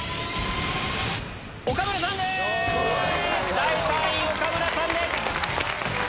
第３位岡村さんです！